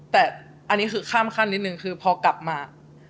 แต่อันนี้คือข้ามขั้นนิดนึงคือพอกลับมา